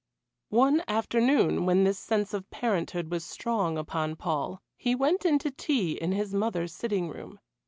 One afternoon, when this sense of parenthood was strong upon Paul, he went in to tea in his mother's sitting room.